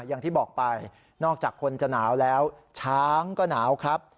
อย่างที่บอกไปนอกจากคนจะหนาวแล้วช้างก็หนาวครับ